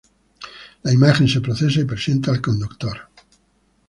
La imagen se procesa y presenta al conductor.